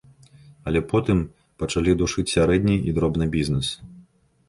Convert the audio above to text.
Але потым пачалі душыць сярэдні і дробны бізнес.